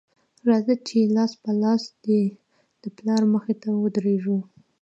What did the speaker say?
راځه چې لاس په لاس دې د پلار مخې ته ودرېږو